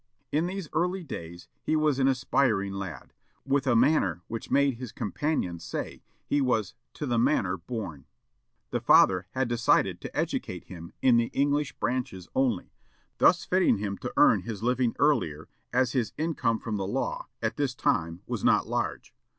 In these early days he was an aspiring lad, with a manner which made his companions say he was "to the manor born." The father had decided to educate him in the English branches only, thus fitting him to earn his living earlier, as his income from the law, at this time, was not large.